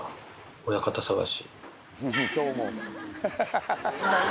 親方探し。